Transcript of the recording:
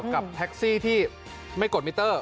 กับแท็กซี่ที่ไม่กดมิเตอร์